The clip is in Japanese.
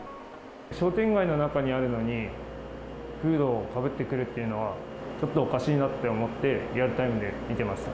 商店街の中にあるのに、フードをかぶってくるっていうのは、ちょっとおかしいなって思って、リアルタイムで見てました。